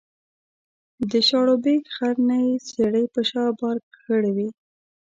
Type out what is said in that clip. د شاړوبېک غر نه یې څېړۍ په شا بار کړې وې